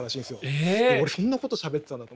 俺そんなことしゃべってたんだと思って。